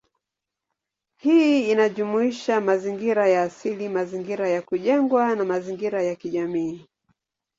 Hii inajumuisha mazingira ya asili, mazingira ya kujengwa, na mazingira ya kijamii.